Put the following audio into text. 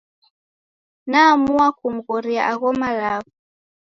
Naamua kumghoria agho walagho.